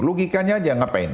logikanya aja ngapain